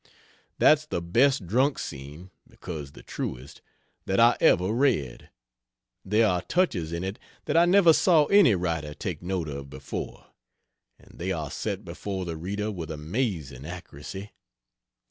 That's the best drunk scene because the truest that I ever read. There are touches in it that I never saw any writer take note of before. And they are set before the reader with amazing accuracy.